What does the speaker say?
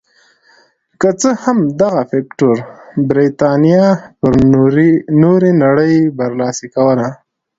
که څه هم دغه فکټور برېتانیا پر نورې نړۍ برلاسې کوله.